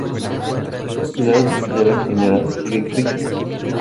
Es propiedad de la General Electric.